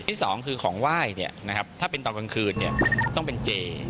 ที่สองคือของไหว้ถ้าเป็นตอนกลางคืนต้องเป็นเจ